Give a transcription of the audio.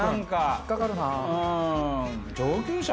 引っ掛かるな。